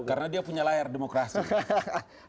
karena dia punya layar demokrasi